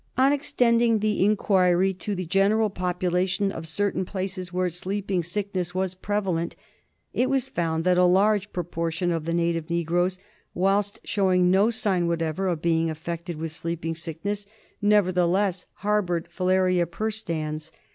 On extending the inquiry to the general population of certain places where Sleeping Sickness was prevalent, it was found that a large proportion of the native negroes, whilst showing no sign whatever of being affected with Sleeping Sickness, nevertheless harboured Filaria perstans.